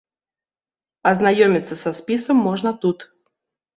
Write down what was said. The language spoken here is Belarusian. Азнаёміцца са спісам можна тут.